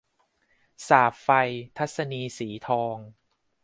สาปไฟ - ทัศนีย์ สีทอง